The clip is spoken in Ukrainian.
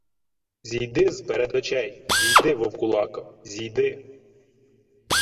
— Зійди з-перед очей! Зійди, вовкулако!.. Зійди!..